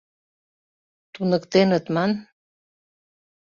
— Туныктеныт, ман.